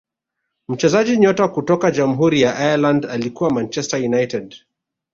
mchezaji nyota kutoka jamhuri ya ireland alikuwa manchester united